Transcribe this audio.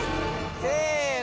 せの。